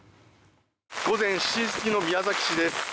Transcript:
午前７時過ぎの宮崎市です。